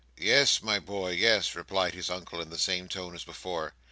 "Yes, my boy, yes," replied his Uncle, in the tone as before.